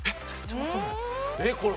えっこれ。